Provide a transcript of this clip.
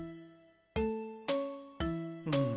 うん。